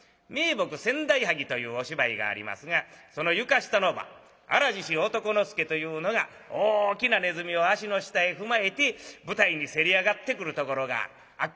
「伽羅先代萩」というお芝居がありますがその床下の番荒獅子男之助というのが大きなネズミを足の下へ踏まえて舞台にせり上がってくるところがある。